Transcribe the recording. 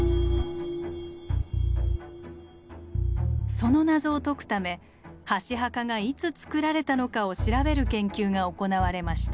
その謎を解くため箸墓がいつつくられたのかを調べる研究が行われました。